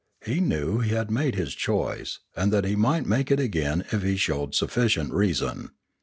He knew he had made his choice, and that he might make it again if he showed sufficient reason.